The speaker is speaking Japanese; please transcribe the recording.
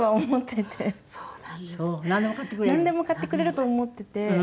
なんでも買ってくれると思ってて。